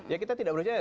ya kita tidak berusaha